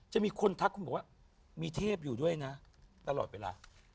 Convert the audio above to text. จะมีคนทักคุณบอกว่ามีเทพอยู่ด้วยนะตลอดเวลา